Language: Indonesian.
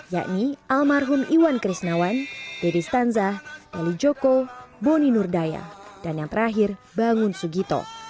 yakni almarhum iwan krisnawan deddy stanza eli joko boni nurdaya dan yang terakhir bangun sugito